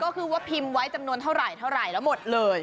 ก็คือว่าพิมพ์ไว้จำนวนเท่าไหร่เท่าไหร่แล้วหมดเลย